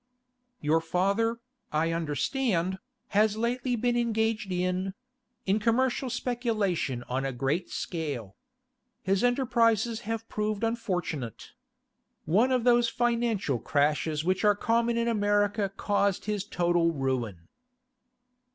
'Your father, I understand, has lately been engaged in—in commercial speculation on a great scale. His enterprises have proved unfortunate. One of those financial crashes which are common in America caused his total ruin.